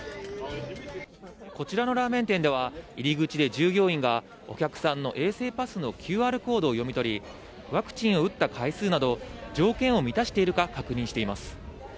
こちらのラーメン店では、入り口で従業員が、お客さんの衛生パスのＱＲコードを読み取り、ワクチンを打った回数など、条件を満たしているか確認しています。